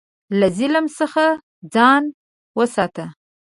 له ظلم څخه ځان وساته.